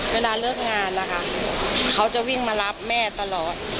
เวลาเลิกงานนะคะเขาจะวิ่งมารับแม่ตลอด